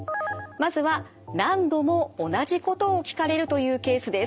まずは何度も同じことを聞かれるというケースです。